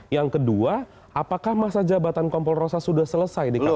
yang kedua apakah masa jabatan kompol rosa sudah selesai di kpk